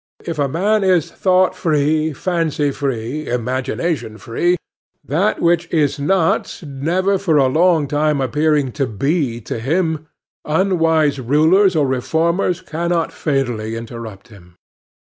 If a man is thought free, fancy free, imagination free, that which is not never for a long time appearing to be to him, unwise rulers or reformers cannot fatally interrupt him.